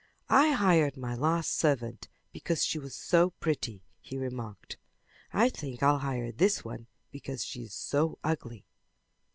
"I hired my last servant because she was so pretty," he remarked. "I think I'll hire this one because she is so ugly."